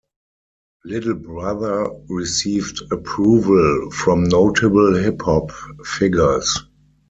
Little Brother received approval from notable hip hop figures.